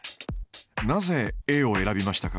なぜＡを選びましたか？